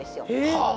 はあ。